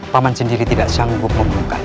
paman sendiri tidak sanggup membuka